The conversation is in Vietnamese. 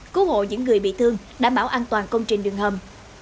cứu hộ những người bị thương đảm bảo an toàn công trình đường hầm